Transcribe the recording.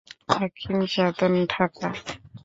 হাকীম Sadhan, Dhaka.